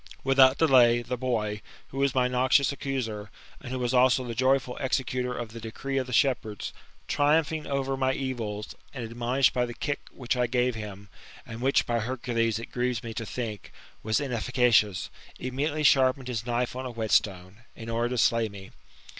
Without delay, the boy, who was my noxious aecusef, and who was also the joyful executor of the decree of the Miepherds, triumphing over my evils, and admonished by the kick which I gave him, and which, by Hercules, it grieves me to think, was inefficacious, immediately sharpened his kmfe on a wheelston^ in order to slay me.